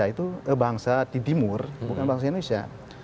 tetapi bangsa timur bukan bangsa indonesia